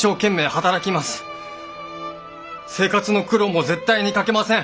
生活の苦労も絶対にかけません。